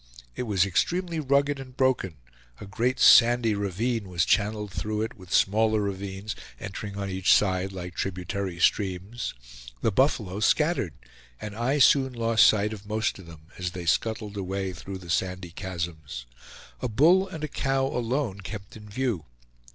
It was extremely rugged and broken; a great sandy ravine was channeled through it, with smaller ravines entering on each side like tributary streams. The buffalo scattered, and I soon lost sight of most of them as they scuttled away through the sandy chasms; a bull and a cow alone kept in view.